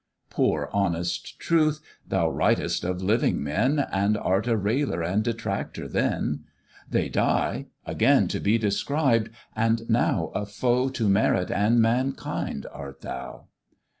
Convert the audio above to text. Poor honest Truth! thou writ'st of living men, And art a railer and detractor then; They die, again to be described, and now A foe to merit and mankind art thou!